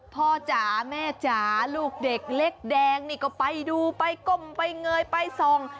จ๋าแม่จ๋าลูกเด็กเล็กแดงนี่ก็ไปดูไปก้มไปเงยไปส่อง